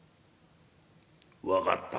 分かった。